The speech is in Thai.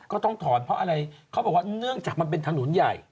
ก็ต้องถอนเพราะอะไรเขาบอกว่าเนื่องจากมันเป็นถนนใหญ่